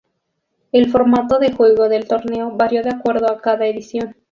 El formato de juego del torneo varió de acuerdo a cada edición.